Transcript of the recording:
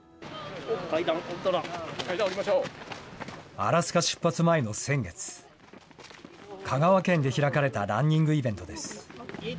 アラスカ出発前の先月、香川県で開かれたランニングイベントです。